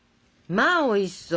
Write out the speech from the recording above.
まあおいしそう！